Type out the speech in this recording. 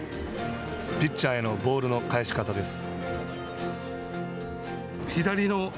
ピッチャーへのボールの返し方です。